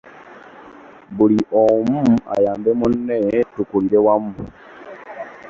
Buli omu ayambe munne tukulire wamu.